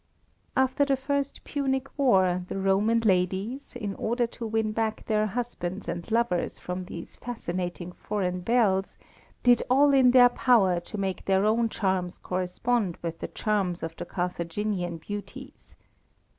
After the first Punic war, the Roman ladies, in order to win back their husbands and lovers from these fascinating foreign belles, did all in their power to make their own charms correspond with the charms of the Carthaginian beauties.